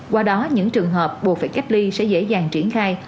qua đó những trường hợp buộc phải cách ly sẽ dễ dàng triển khai